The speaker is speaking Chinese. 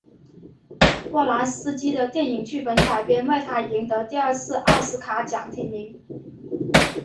波兰斯基的电影剧本改编为他赢得第二次奥斯卡奖提名。